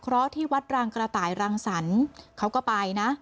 เพราะที่วัดรางกระต่ายรังสรรค์เขาก็ไปนะ